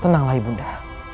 tenanglah ibu nda